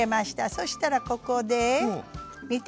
そしたらここで見て。